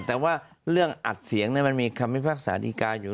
แต่ว่าเรื่องอัดเสียงมันมีคำพิพากษาดีกาอยู่